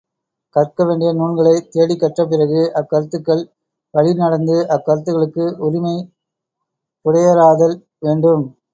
கற்க வேண்டிய நூல்களைத் தேடிக்கற்ற பிறகு அக்கருத்துக்கள் வழி நடந்து அக்கருத்துக்களுக்கு உரிமை புடையராதல் வேண்டும்.